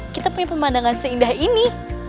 kita punya pemandangan seindah ini